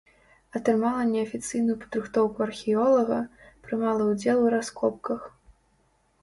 Атрымала неафіцыйную падрыхтоўку археолага, прымала ўдзел у раскопках.